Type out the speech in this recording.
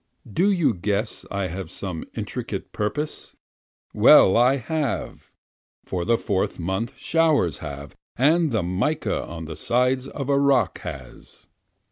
Do you guess I have some intricate purpose? Well I have, for the Fourth month showers have, and the mica on the side of a rock has.